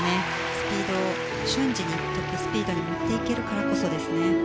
スピードを瞬時にトップスピードに持っていけるからこそですね。